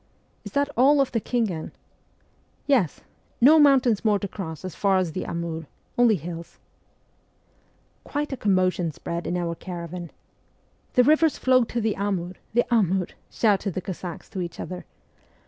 ' Is that all pf the Khingan ?'' Yes ! No mountains more to cross as far as the Amur : only hills !' Quite a commotion spread in our caravan. ' The rivers flow to the Amur, the Amur !' shouted the Cossacks to each other.